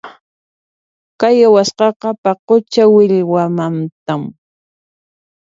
Kay awasqaqa paqucha millwamantam.